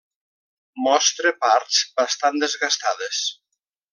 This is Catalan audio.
Mostra parts bastant desgastades.